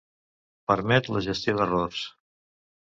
Permet la gestió d'errors.